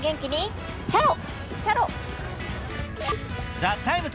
「ＴＨＥＴＩＭＥ，」